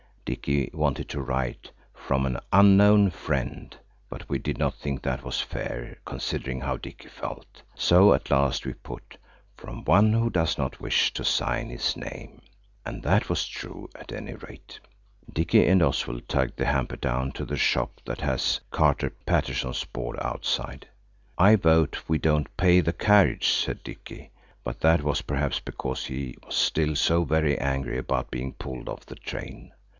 Dicky wanted to write–"From an unknown friend," but we did not think that was fair, considering how Dicky felt. So at last we put–"From one who does not wish to sign his name." And that was true, at any rate. Dicky and Oswald lugged the hamper down to the shop that has Carter Paterson's board outside. "I vote we don't pay the carriage," said Dicky, but that was perhaps because he was still so very angry about being pulled off the train.